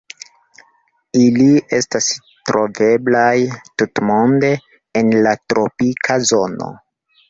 Ili estas troveblaj tutmonde en la tropika zono.